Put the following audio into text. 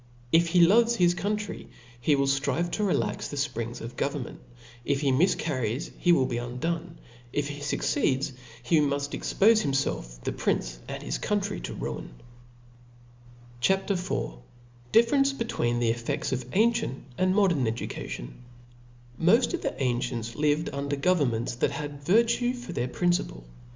If he loves his country, he will ftrive to rtlax the fprings of government ; if he mifcar ries, he will be undone ; if he fucceeds, he muft ex pofc himfelf^ the prince, and his country, to ruin. CHAP. T H B S P I R 1 T CHAP. IV. DifereHce hettveen the EffeBs of aticitht and modern Education. OK TV/TpST of the ancients lived under govcrn p/^., ^^^ meats that had virtue for their principle i Boo I IV.